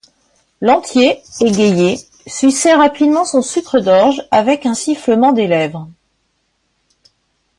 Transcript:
Lantier, égayé, suçait rapidement son sucre d'orge, avec un sifflement des lèvres.